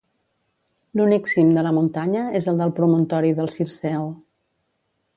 L'únic cim de la muntanya és el del promontori de Circeo.